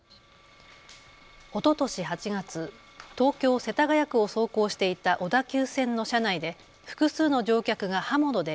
おととし８月、東京世田谷区を走行していた小田急線の車内で複数の乗客が刃物で